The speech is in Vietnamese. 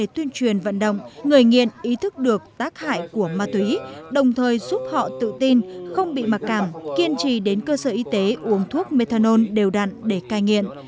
tuyên truyền vận động người nghiện ý thức được tác hại của ma túy đồng thời giúp họ tự tin không bị mặc cảm kiên trì đến cơ sở y tế uống thuốc methanol đều đặn để cai nghiện